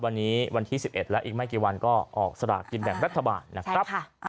วันนี้วันที่๑๑แล้วอีกไม่กี่วันก็ออกสลากกินแบ่งรัฐบาลนะครับ